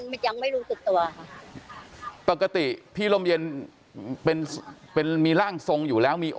มันยังไม่รู้สึกตัวค่ะปกติพี่ร่มเย็นเป็นเป็นมีร่างทรงอยู่แล้วมี